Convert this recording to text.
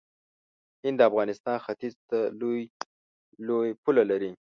هند د افغانستان ختیځ ته لوی پوله لري.